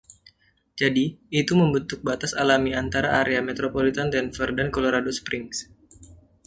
Jadi, itu membentuk batas alami antara area metropolitan Denver dan Colorado Springs.